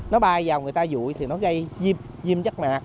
nó bay vào người ta dụi thì nó gây diêm chất mạc